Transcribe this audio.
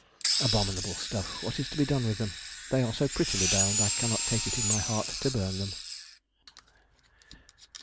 Abominable stuff! What is to be done with them? They are so prettily bound, I cannot take it in my heart to burn them.